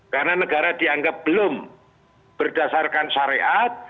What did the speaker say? karena negara dianggap belum berdasarkan syariat